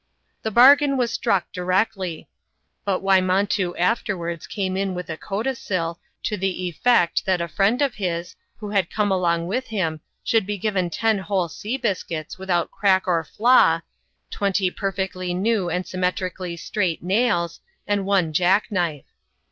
The bargain was struck directly ; but Wymontoo afterwards came in with a codicil, to the effect that a friend of his, who had come along with him, should be given ten whole sea biscuits, without crack or flaw, twenty perfectly new and symmetrically straight nails, and one jackknife.